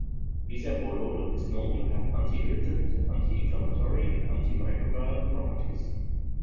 Bisabolol is known to have anti-irritant, anti-inflammatory and anti-microbial properties.